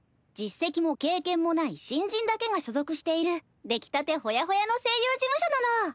実績も経験もない新人だけが所属している出来たてほやほやの声優事務所なの。